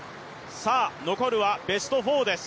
残るはベスト４です。